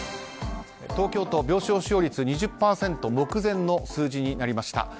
東京都、病床使用率２０％目前の数字になりました。